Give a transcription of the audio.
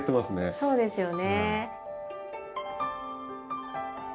そうですね。